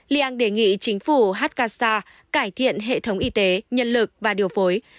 liang đề nghị chính phủ hakasa cải thiện hệ thống y tế nhân lực và điều phối